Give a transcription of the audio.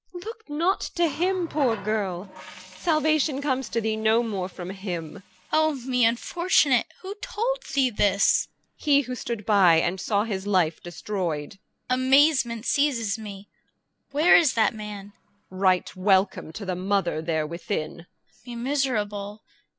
Look not to him, poor girl! Salvation comes to thee no more from him. CHR. Oh me, unfortunate! Who told thee this? EL. He who stood by and saw his life destroyed. CHR. Amazement seizes me. Where is that man? EL. Right welcome to the mother there within. CHR. Me miserable!